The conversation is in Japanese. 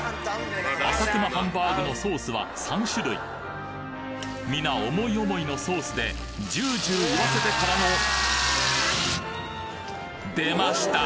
あさくまハンバーグのソースは３種類みな思い思いのソースでジュージューいわせてからの出ました！